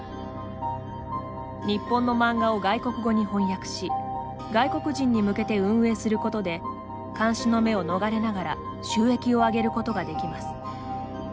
日本の漫画を外国語に翻訳し外国人に向けて運営することで監視の目を逃れながら収益を上げることができます。